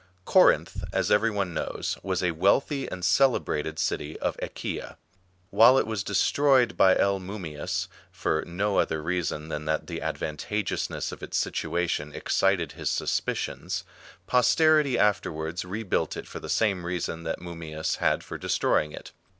Corinth, as every one knows, was a wealthy and celebrated city of Achaia. While it was destroyed by L. Mummius for no other reason than that the advantageousness of its situa tion excited his suspicions, posterity afterwards rebuilt it for the same reason that Mummius had for destroying it.